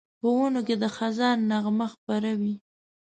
په ونو کې د خزان نغمه خپره وي